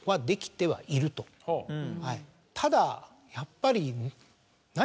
ただやっぱり。